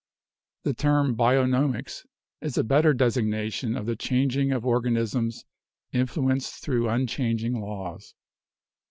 The term 'bionomics' is a better designation of the chan ging of organisms influenced through unchanging laws.